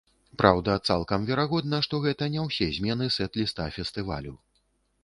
Праўда, цалкам верагодна, што гэта не усе змены сэт-ліста фестывалю.